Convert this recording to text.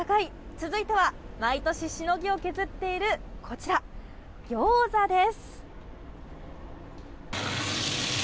続いては毎年しのぎを削っているギョーザです。